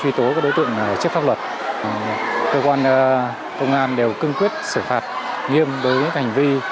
truy tố các đối tượng trước pháp luật cơ quan công an đều cưng quyết xử phạt nghiêm đối với hành vi